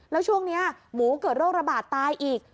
แล้วช่วงนี้หมูเกิดโรคระบาดตายอีก